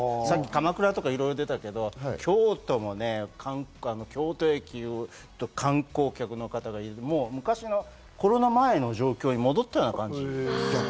鎌倉とかいろいろ出ましたが京都もね、京都駅、観光客の方、昔のコロナ前の状況に戻ったような感じ。